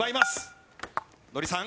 ノリさん。